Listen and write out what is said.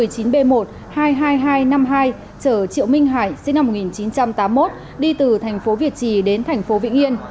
chở triệu minh hải sinh năm một nghìn chín trăm tám mươi một đi từ thành phố việt trì đến thành phố vĩnh yên